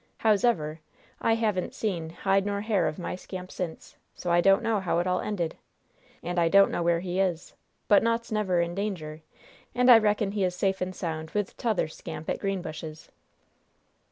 Howsever, I haven't seen hair nor hide of my scamp since, so I don't know how it all ended! And I don't know where he is! But naught's never in danger, and I reckon as he is safe and sound with t'other scamp at Greenbushes."